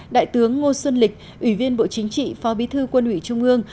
đại tướng ngô xuân lịch ủy viên bộ chính trị phó bí thư quân ủy trung ương